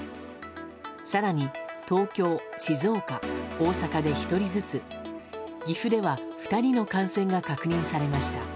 更に、東京、静岡、大阪で１人ずつ岐阜では２人の感染が確認されました。